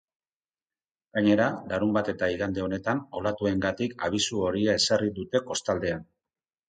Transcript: Gainera, larunbat eta igande honetan olatuengatik abisu horia ezarri dute kostaldean.